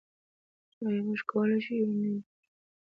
چې ایا موږ کولی شو، په یونلیک کې.